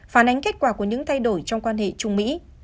phản ánh kết quả của những thay đổi trong quan hệ trung mỹ